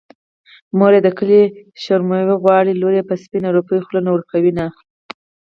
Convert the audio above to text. مور يې د کلي شومړې غواړي لور يې په سپينه روپۍ خوله نه ورکوينه